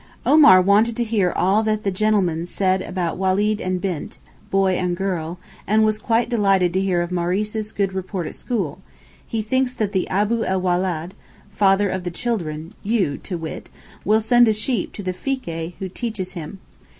Omar wanted to hear all that 'the gentleman' said about 'weled and bint' (boy and girl), and was quite delighted to hear of Maurice's good report at school, he thinks that the 'Abou el welàd' (father of the children—you, to wit) will send a sheep to the 'fikee' who teaches him.